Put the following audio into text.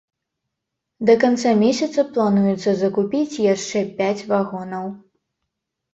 Да канца месяца плануецца закупіць яшчэ пяць вагонаў.